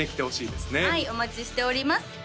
はいお待ちしております